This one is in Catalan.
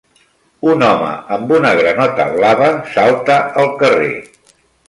Un home amb una granota blava salta al carrer.